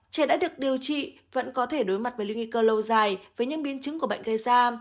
trẻ đã được điều trị vẫn có thể đối mặt với nguy cơ lâu dài với những biến chứng của bệnh gây ra